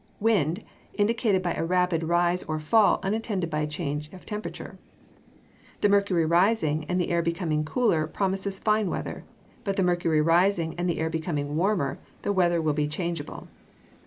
Wind, indicated by a rapid rise or fall unattended by a change of temperature. The mercury rising, and the air becoming cooler, promises fine weather; but the mercury rising, and the air becoming warmer, the weather will be changeable.